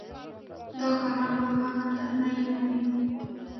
دا قلم و هغه ته نی نه وي.